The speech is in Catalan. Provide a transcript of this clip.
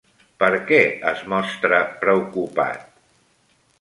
Per què es mostra preocupat?